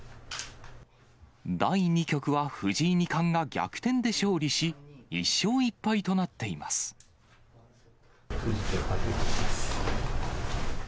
第２局は藤井二冠が逆転で勝利し、１勝１敗となっています。